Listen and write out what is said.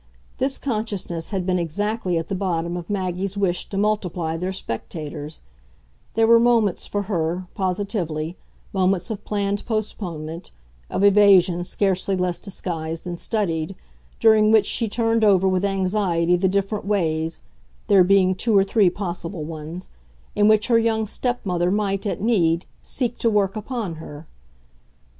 This consciousness had been exactly at the bottom of Maggie's wish to multiply their spectators; there were moments for her, positively, moments of planned postponement, of evasion scarcely less disguised than studied, during which she turned over with anxiety the different ways there being two or three possible ones in which her young stepmother might, at need, seek to work upon her.